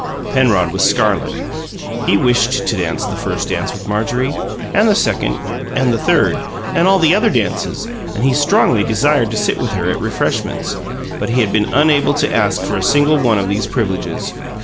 Penrod was scarlet; he wished to dance the first dance with Marjorie, and the second and the third and all the other dances, and he strongly desired to sit with her "at refreshments"; but he had been unable to ask for a single one of these privileges.